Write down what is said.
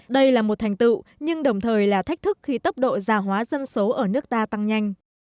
đây là một thành tựu nhưng đồng thời là thách thức khi tốc độ già hóa dân số ở nước ta tăng nhanh